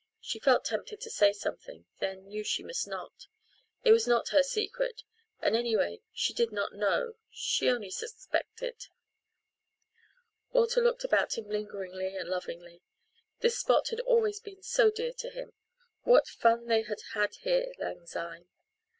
She felt tempted to say something then she knew she must not. It was not her secret: and, anyway, she did not know she only suspected. Walter looked about him lingeringly and lovingly. This spot had always been so dear to him. What fun they all had had here lang syne.